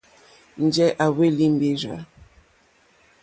Njɛ̂ à hwélí mbèrzà.